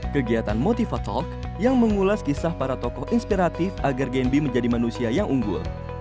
kegiatan motif talk yang mengulas kisah para tokoh inspiratif agar genbi menjadi manusia yang unggul